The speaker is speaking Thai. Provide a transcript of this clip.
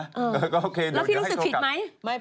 แล้วก็โอเคเดี๋ยวให้โทรกับแล้วพี่รู้สึกผิดไหม